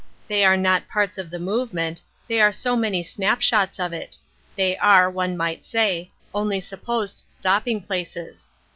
They are not parts of the movement, they are so many snap shots of it; they are, one might say, only supposed stopping places.